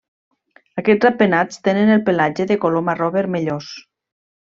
Aquests ratpenats tenen el pelatge de color marró vermellós.